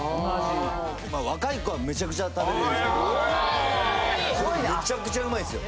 まあ若い子はめちゃくちゃ食べれるんすけどこれめちゃくちゃうまいんすよ。